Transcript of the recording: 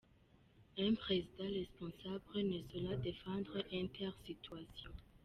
Un président responsable ne saurait défendre une telle situation.